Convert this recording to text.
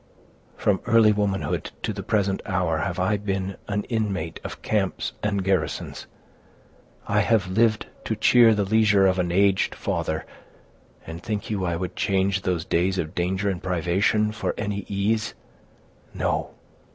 "From early womanhood to the present hour have I been an inmate of camps and garrisons. I have lived to cheer the leisure of an aged father, and think you I would change those days of danger and privation for any ease? No!